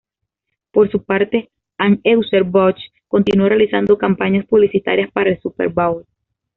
Por su parte, Anheuser-Busch continuó realizando campañas publicitarias para el "Super Bowl".